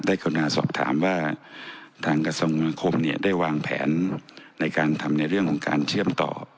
กรุณาสอบถามว่าทางกระทรวงคลังคมเนี่ยได้วางแผนในการทำในเรื่องของการเชื่อมต่อ